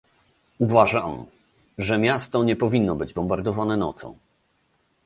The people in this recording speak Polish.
Uważam, że miasto nie powinno być bombardowane nocą